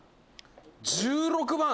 「１６番！」